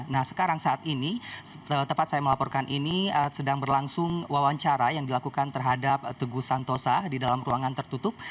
nah sekarang saat ini tempat saya melaporkan ini sedang berlangsung wawancara yang dilakukan terhadap teguh santosa di dalam ruangan tertutup